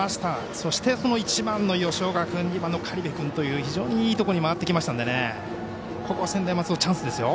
そして、１番の吉岡君２番の苅部君という非常にいいところに回ってきましたので専大松戸、チャンスですよ。